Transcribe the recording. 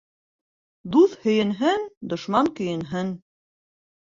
Дуҫ һөйөнһөн, дошман көйөнһөн.